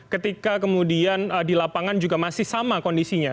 ketika kemudian di lapangan juga masih sama kondisinya